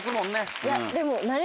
いやでも。